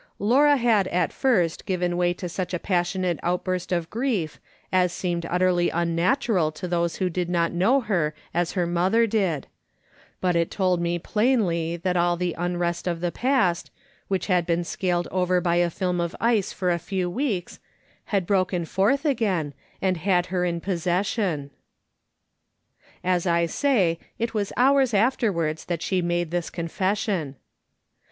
Laura liad at first given way to such a passionate outburst of grief as seemed utterly unnatural to those who did not know her as her mother did ; but it told me plainly that all the unrest of the past, which liad been scaled over by a film of ice for a few weeks, had broken forth again and had her in pos session. As I say, it was hours afterwards that she made this confession.